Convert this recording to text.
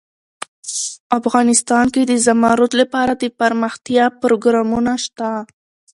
افغانستان کې د زمرد لپاره دپرمختیا پروګرامونه شته.